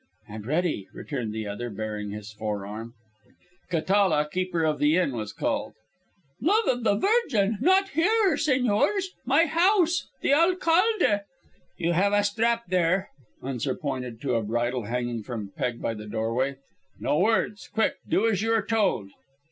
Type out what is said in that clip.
"And ready," returned the other, baring his forearm. Catala, keeper of the inn, was called. "Love of the Virgin, not here, señors. My house the alcalde " "You have a strap there." Unzar pointed to a bridle hanging from a peg by the doorway. "No words; quick; do as you are told."